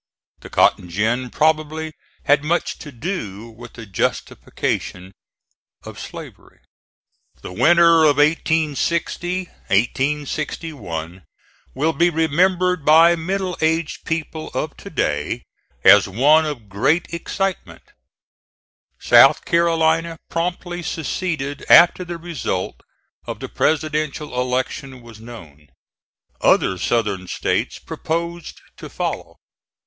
The cotton gin probably had much to do with the justification of slavery. The winter of 1860 1 will be remembered by middle aged people of to day as one of great excitement. South Carolina promptly seceded after the result of the Presidential election was known. Other Southern States proposed to follow.